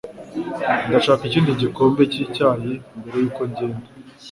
Ndashaka ikindi gikombe cyicyayi mbere yuko ngenda.